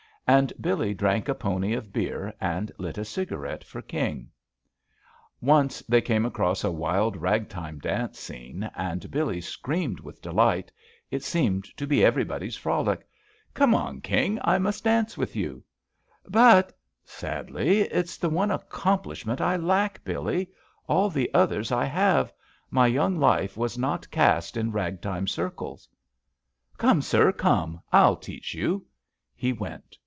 And Billee drank a pony of beer and lit a cigarette for King. JUST SWEETHEARTS ^ Once they came across a wild, ragtime dance scene, and Billee screamed with delight. It seemed to be everybody's frolic. "Come on, King, I must dance with you 1" "But," sadly, "it's the one accomplishment I lack, Billee. All the others I have. My young life was not cast in ragtime circles." "Come, sir, comel I'll teach you!" He went.